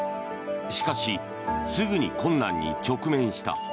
しかし、すぐに困難に直面した。